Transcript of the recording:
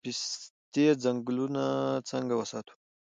د پستې ځنګلونه څنګه وساتو؟